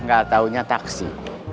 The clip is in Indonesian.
gak taunya taksi